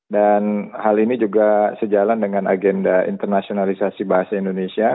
dan hal ini juga sejalan dengan agenda internasionalisasi bahasa indonesia